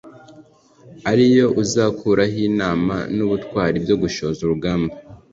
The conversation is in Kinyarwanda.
ari yo uzakuraho inama n’ubutwari byo gushoza urugamba ?